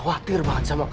lagi aja ga bisa bebet